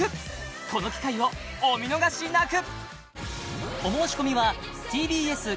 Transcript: この機会をお見逃しなく！